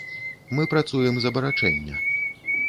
Мы працуем з абарачэння.